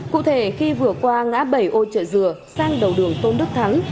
cụ thể khi vừa qua ngã bảy ô trợ dừa sang đầu đường tôn đức thắng